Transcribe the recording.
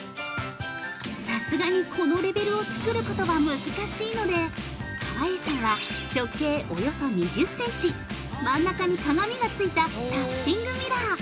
さすがにこのレベルを作ることは難しいので、川栄さんは直径およそ２０センチ真ん中に鏡が付いたタフティングミラー。